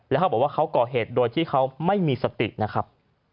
แล้วเขาบอกว่าเขาก่อเหตุโดยที่เขาไม่มีสตินะครับ